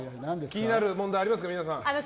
気になる問題ありますか、皆さん。